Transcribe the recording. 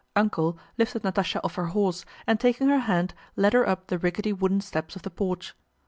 "Uncle" lifted Natásha off her horse and taking her hand led her up the rickety wooden steps of the porch.